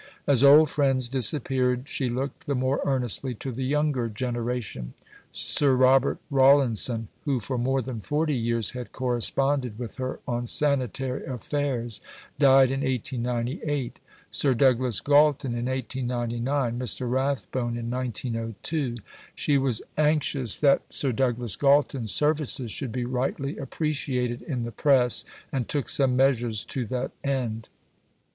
As old friends disappeared, she looked the more earnestly to the younger generation. Sir Robert Rawlinson, who for more than forty years had corresponded with her on sanitary affairs, died in 1898; Sir Douglas Galton, in 1899; Mr. Rathbone, in 1902. She was anxious that Sir Douglas Galton's services should be rightly appreciated in the press, and took some measures to that end.